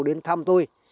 đến thăm tôi